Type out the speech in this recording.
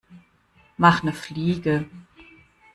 Mach 'ne Fliege!